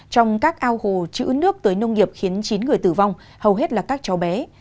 trong các ao hồ chữ nước tới nông nghiệp khiến chín người tử vong hầu hết là các cháu bé